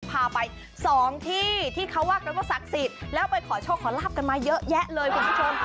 พาไปสองที่ที่เขาว่ากันว่าศักดิ์สิทธิ์แล้วไปขอโชคขอลาบกันมาเยอะแยะเลยคุณผู้ชม